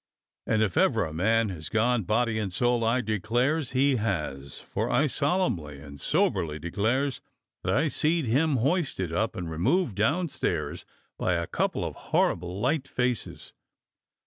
And if ever a man has gone body and soul, I declares he has; for I solemnly and soberly declares that I seed him hoisted up and removed down stairs by a couple of horrible light faces."